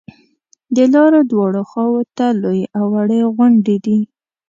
د لارې دواړو خواو ته لویې او وړې غونډې دي.